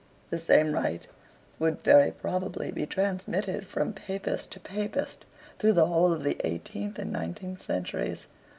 The same right would very probably be transmitted from Papist to Papist through the whole of the eighteenth and nineteenth centuries.